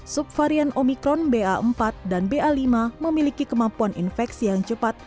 subvarian omikron ba empat dan ba lima memiliki kemampuan infeksi yang cepat